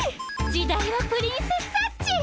「時代はプリンセスサッチー！」。